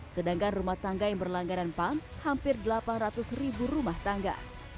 sedangkan rumah tangga yang berlangganan pump hampir delapan ratus ribu rumah tangga